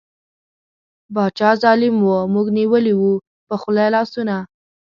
باچا ظالیم وو موږ نیولي وو په خوله لاسونه